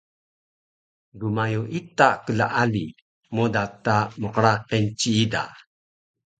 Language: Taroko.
dmayo ita klaali moda ta mqraqil ciida